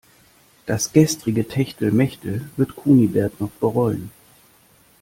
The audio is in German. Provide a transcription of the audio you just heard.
Das gestrige Techtelmechtel wird Kunibert noch bereuen.